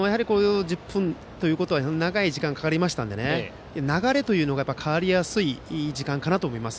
１０分と長い時間がかかりますので流れが変わりやすい時間かなと思います。